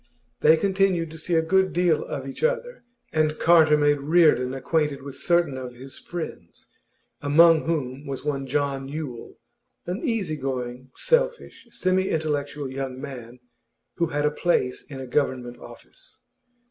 They continued to see a good deal of each other, and Carter made Reardon acquainted with certain of his friends, among whom was one John Yule, an easy going, selfish, semi intellectual young man who had a place in a Government office.